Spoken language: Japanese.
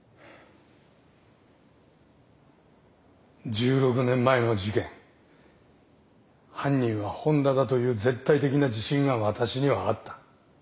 １６年前の事件犯人は本田だという絶対的な自信が私にはあった。